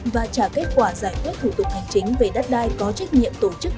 và trả kết quả giải quyết thủ tục hành chính về đất đai có trách nhiệm tổ chức